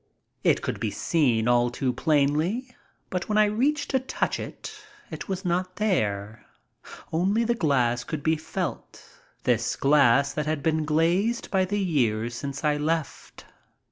It could be seen all too plainly, but when I reached to touch it it was not thei;e — only the glass could be felt, this glass that had been glazed by the years since I left.